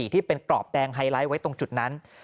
ที่เป็นกรอบแดงไฮไลท์ไว้ตรงจุดนั้น